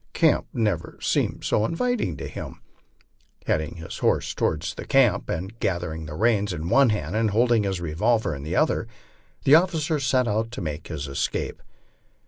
Camp never seemed so inviting before. Heading his horse toward camp and gathering the reins in one hand and holding his revolver in the other, the officer set out to make his escape.